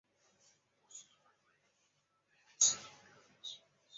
不定期举办现代艺术特展。